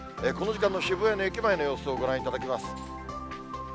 この時間の渋谷の駅前の様子をご覧いただきます。